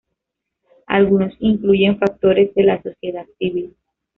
Algunos incluyen factores de la sociedad civil.